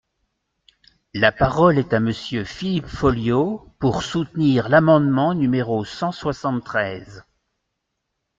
La parole est à Monsieur Philippe Folliot, pour soutenir l’amendement numéro cent soixante-treize.